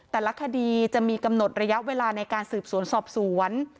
แต่ละคดีจะมีกำหนดระยะเวลาในการสืบสวนสอบสวน